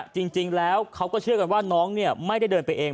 จริงแล้วเขาก็เชื่อกันว่าน้องไม่ได้เดินไปเอง